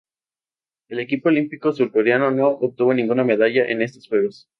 El equipo olímpico surcoreano no obtuvo ninguna medalla en estos Juegos.